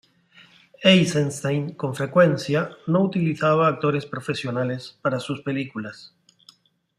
Eisenstein, con frecuencia, no utilizaba actores profesionales para sus películas.